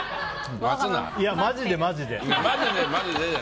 いや、マジでマジで。